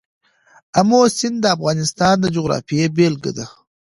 آمو سیند د افغانستان د جغرافیې بېلګه ده.